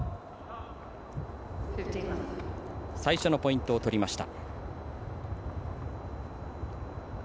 最初のポイントを取りました。